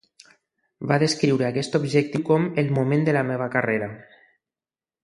Va descriure aquest objectiu com "el moment de la meva carrera".